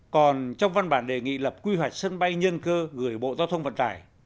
còn trong văn bản đề nghị lập quy hoạch sân bay nhân cơ gửi bộ giao thông vận tải